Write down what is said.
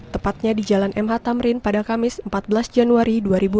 tepatnya di jalan mh tamrin pada kamis empat belas januari dua ribu dua puluh